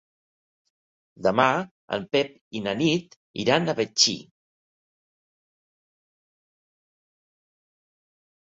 Demà en Pep i na Nit iran a Betxí.